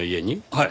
はい。